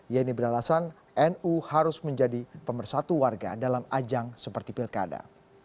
yeni beralasan nu harus menjadi pemersatu warga dalam ajang seperti pilkada